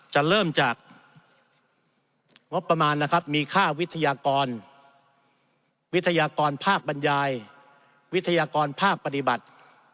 จะเริ่มจากงบประมาณนะครับมีค่าวิทยากรวิทยากรภาคบรรยายวิทยากรภาคปฏิบัติ